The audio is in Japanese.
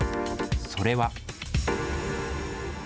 それは。